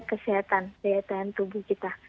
kesehatan kesehatan tubuh kita